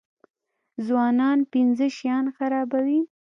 ځوانان پنځه شیان خرابوي.